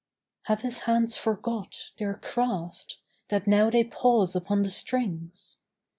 Have his hands forgot Their craft, that now they pause upon the strings?